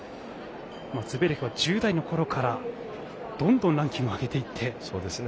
ズベレフは１０代のころからどんどんランキングを上げていって。